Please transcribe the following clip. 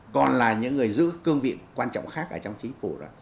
còn là những người giữ cương vị quan trọng khác ở trong chính phủ đó